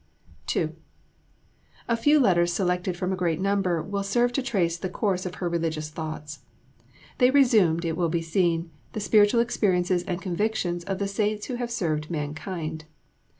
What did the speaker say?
II A few letters, selected from a great number, will serve to trace the course of her religious thoughts. They resumed, it will be seen, the spiritual experiences and convictions of the saints who have served mankind.